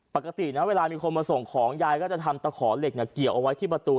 ปกตินะเวลามีคนมาส่งของยายก็จะทำตะขอเหล็กเกี่ยวเอาไว้ที่ประตู